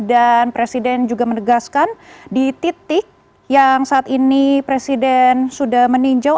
dan presiden juga menegaskan di titik yang saat ini presiden sudah meninjau